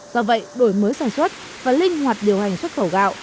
do vậy đổi mới sản xuất và linh hoạt điều hành xuất khẩu gạo